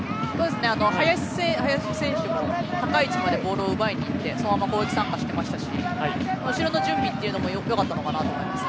林選手も高い位置までボールを奪いにいってそのまま攻撃参加していましたし後ろの準備もよかったと思います。